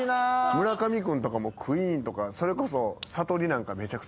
村上君とかもクイーンとかそれこそサトリなんかめちゃくちゃ似合うやろな。